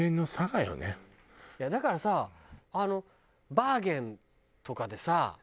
だからさバーゲンとかでさ